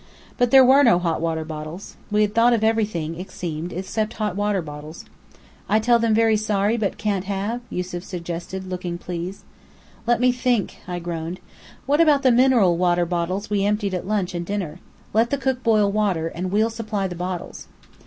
But there were no hot water bottles. We had thought of everything, it seemed, except hot water bottles. "I tell them very sorry but can't have?" Yusef suggested, looking pleased. "Let me think!" I groaned. "What about the mineral water bottles we emptied at lunch and dinner? Let the cook boil water, and we'll supply the bottles."